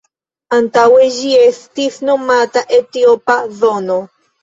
Antaŭe ĝi estis nomata Etiopa zono.